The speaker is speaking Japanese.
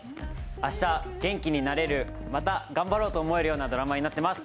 明日元気になれる、また頑張ろうと思えるようなドラマになっています。